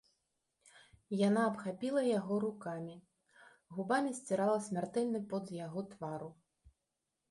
Яна абхапіла яго рукамі, губамі сцірала смяртэльны пот з яго твару.